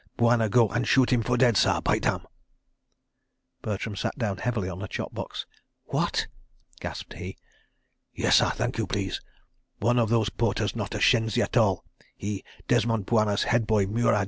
... Bwana go and shoot him for dead, sah, by damn!" Bertram sat down heavily on a chop box. "What?" gasped he. "Yessah, thank you please. One of those porters not a shenzi at all. He Desmont Bwana's head boy Murad.